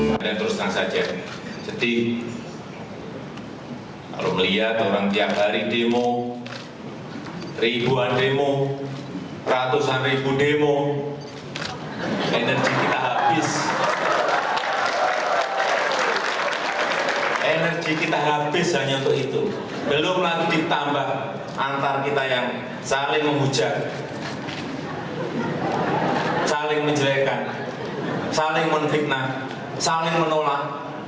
habis hanya untuk itu belum lagi ditambah antar kita yang saling membuja saling menjelekan saling menfiknah saling menolak